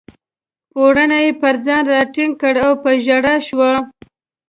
پوړنی یې پر ځان راټینګ کړ او په ژړا شوه.